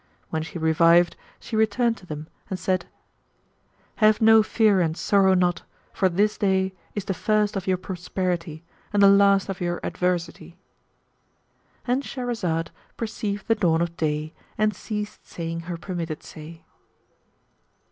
When she revived she turned to them; and said, "Have no fear and sorrow not, for this day is the first of your prosperity and the last of your adversity!"—And Shahrazad perceived the dawn of day and ceased saying her permitted say.